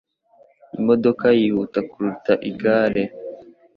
Imodoka yihuta kuruta igare